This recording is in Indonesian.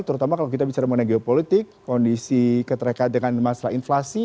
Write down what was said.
terutama kalau kita bicara mengenai geopolitik kondisi keterkait dengan masalah inflasi